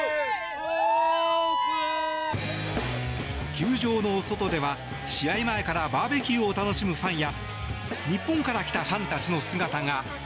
球場の外では、試合前からバーベキューを楽しむファンや日本から来たファンたちの姿が。